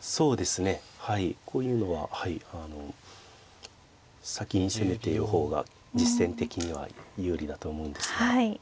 そうですねはいこういうのははいあの先に攻めている方が実戦的には有利だと思うんですが。